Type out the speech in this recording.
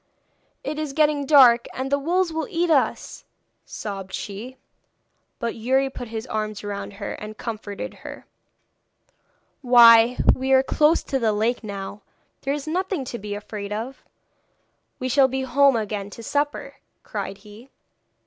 'It is getting dark, and the wolves will eat us,' sobbed she. But Youri put his arms round her and comforted her. 'Why we are close to the lake now. There is nothing to be afraid of! We shall be home again to supper,' cried he.